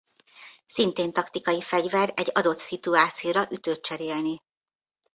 Szintén taktikai fegyver egy adott szituációra ütőt cserélni.